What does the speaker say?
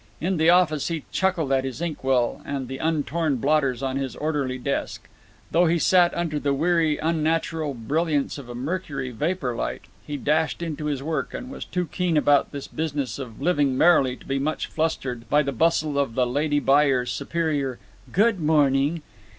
In the office he chuckled at his ink well and the untorn blotters on his orderly desk. Though he sat under the weary unnatural brilliance of a mercury vapor light, he dashed into his work, and was too keen about this business of living merrily to be much flustered by the bustle of the lady buyer's superior "Good morning."